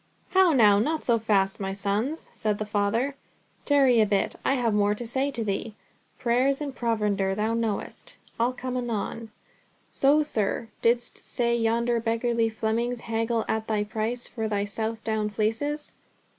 "How now, not so fast, my sons," said the Father; "tarry a bit, I have more to say to thee. Prayers and provender, thou knowst—I'll come anon. So, sir, didst say yonder beggarly Flemings haggle at thy price for thy Southdown fleeces.